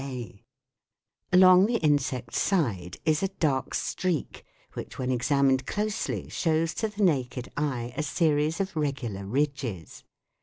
Along the insect's side is a dark streak which when examined closely shows to the naked eye a series of regular ridges.